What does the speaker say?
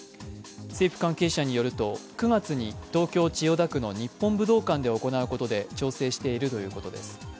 政府関係者によると９月に東京・千代田区の日本武道館で行うことを調整しているということです。